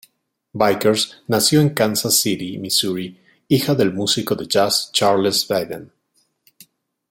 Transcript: Vickers nació en Kansas City, Missouri, hija del músico de jazz Charles Vedder.